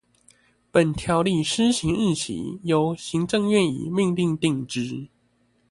本條例施行日期，由行政院以命令定之。